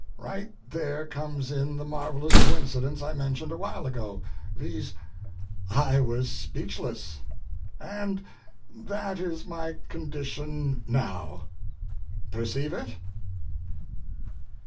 Right there comes in the marvellous coincidence I mentioned a while ago—viz., I was speechless, and that is my condition now. Perceive it?